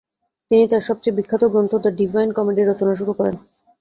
তিনি তার সবচেয়ে বিখ্যাত গ্রন্থ দ্য ডিভাইন কমেডি রচনা শুরু করেন।